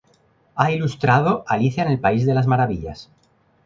Ha ilustrado Alicia en el país de las maravillas.